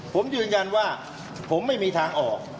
ผมยืนยันว่าผมไม่มีทางออก